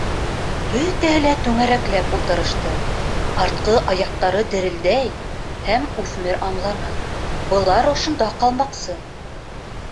Бөтәһе лә түңәрәкләп ултырышты, артҡы аяҡтары дерелдәй, һәм үҫмер аңланы: былар ошонда ҡалмаҡсы.